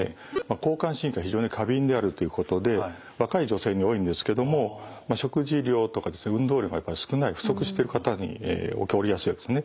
交感神経が非常に過敏であるということで若い女性に多いんですけども食事量とか運動量がやっぱり少ない不足してる方に起こりやすいわけですね。